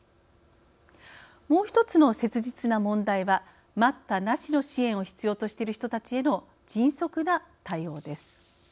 もう一つの切実な問題は待ったなしの支援を必要としている人たちへの迅速な対応です。